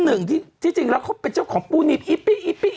นักจับคล่องสิเหรออย่างนี้เหรอ